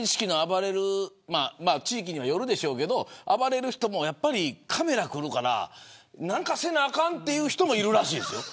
地域によるでしょうけど成人式で暴れる人もカメラが来るから何かせなあかんという人もいるらしいですよ。